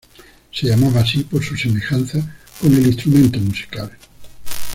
Se llamaba así por su semejanza con el instrumento musical.